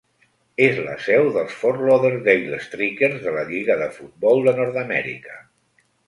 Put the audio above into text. És la seu dels Fort Lauderdale Strikers de la lliga de futbol de Nord-Amèrica.